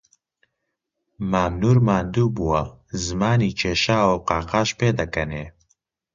مام نوور ماندوو بووە، زمانی کێشاوە و قاقاش پێدەکەنێ